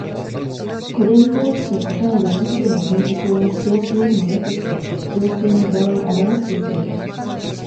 これに対して答えはいつでもその思想を否定し得るものとして実証性の側を現すとすれば、